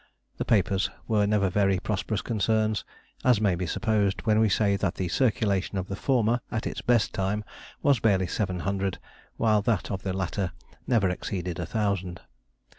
The papers were never very prosperous concerns, as may be supposed when we say that the circulation of the former at its best time was barely seven hundred, while that of the latter never exceeded a thousand.